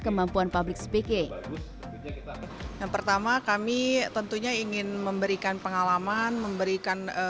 kemampuan public speaking yang pertama kami tentunya ingin memberikan pengalaman memberikan